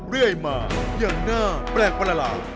เรื่อยมาอย่างน่าแปลกประหลาด